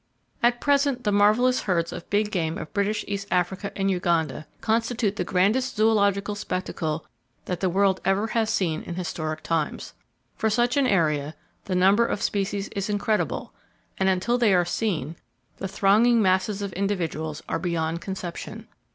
At present the marvelous herds of big game of British East Africa and Uganda constitute the grandest zoological spectacle that the world ever has seen in historic times. For such an area, the number of species is incredible, and until they are seen, the thronging masses of individuals are beyond conception.